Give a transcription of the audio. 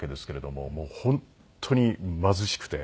本当に貧しくて。